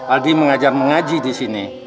aldi mengajar mengaji disini